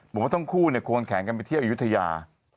ผมว่าทั้งคู่ควงแขนกันไปเที่ยวอายุทยา